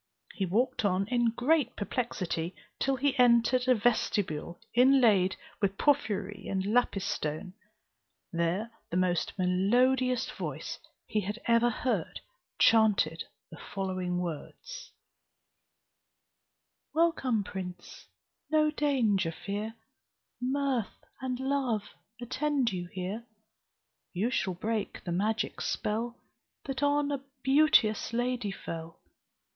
He walked on, in great perplexity, till he entered a vestibule inlaid with porphyry and lapis stone. There the most melodious voice he had ever heard chanted the following words: "Welcome, prince, no danger fear, Mirth and love attend you here; You shall break the magic spell, That on a beauteous lady fell.